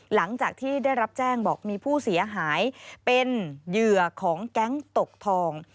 หลังจากที่ได้รับแจ้งบอกมีผู้เสียหายเป็นเหยื่อของแก๊งตกทอง